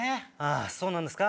そうなんですか。